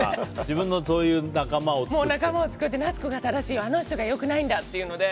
仲間を作って、夏子が正しいあの人が良くないんだって。